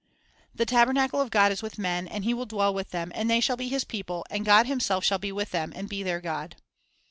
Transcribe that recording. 4 " The tabernacle of God is with men, and He will dwell with them, and they shall be His people, and God Himself shall be with them, and be their God."